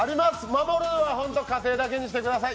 守るのは家庭だけにしてください。